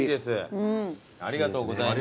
ありがとうございます。